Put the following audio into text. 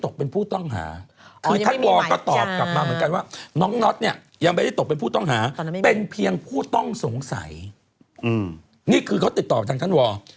เขาเคยติดตอบไปทางท่านวอล